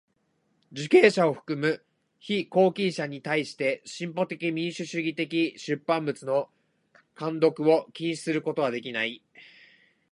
受刑者を含む被拘禁者にたいして進歩的民主主義的出版物の看読を禁止することはできない。